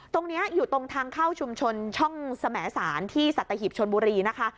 ตรงนี้อยู่ตรงทางเข้าชุมชนช่องสมสารที่สัตหิบชนบุรีนะคะ